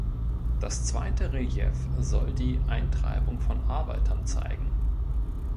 Das zweite Relief soll die „Eintreibung von Arbeitern“ zeigen.